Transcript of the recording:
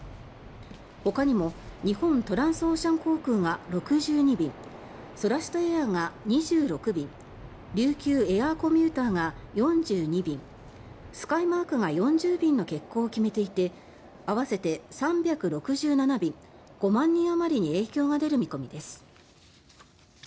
ほかにも日本トランスオーシャン航空が６２便ソラシドエアが２６便琉球エアーコミューターが４２便スカイマークが４０便の欠航を決めていて合わせて３６７便５万人あまりに影響が出る見込みです。